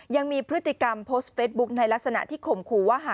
ยังมีพฤติกรรมโพสต์เฟสบุ๊คในลักษณะที่ข่มขู่ว่า